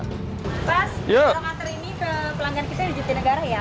pas kalau mater ini ke pelanggan kita di jatinegara ya